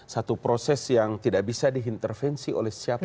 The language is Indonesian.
satu proses yang tidak bisa diintervensi oleh siapa